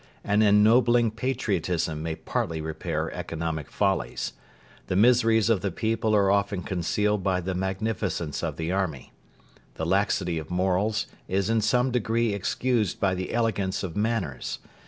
An ennobling patriotism may partly repair economic follies. The miseries of the people are often concealed by the magnificence of the army. The laxity of morals is in some degree excused by the elegance of manners.